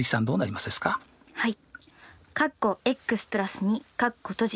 はい。